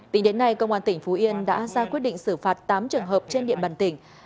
tính đến nay công an tỉnh phú yên đã ra quyết định xử phạt tám trường hợp trên địa bàn tỉnh